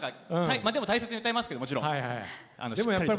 でも大切に歌いますけどもちろんしっかりと。